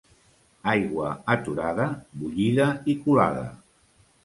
Aigua aturada, bullida i colada.